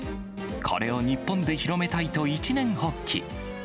これを日本で広めたいと、一念発起。